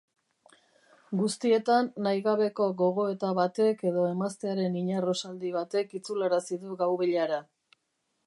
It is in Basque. Guztietan, nahi gabeko gogoeta batek edo emaztearen inarrosaldi batek itzularazi du gaubeilara.